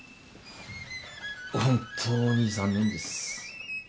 本当に残念です。